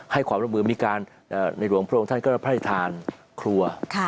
ให้ความร่วมมือมีการในหลวงพระองค์ท่านก็รับให้ทานครัว